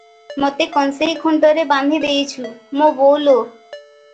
ମତେ କଁସେଇ ଖୁଣ୍ଟରେ ବାନ୍ଧି ଦେଇଛୁ ମୋ ବୋଉଲୋ!